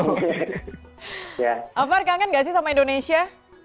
alvar kangen nggak sih sama indonesia